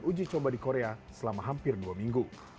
tim indonesia mencoba di korea selama hampir dua minggu